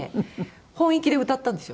本意気で歌ったんですよ。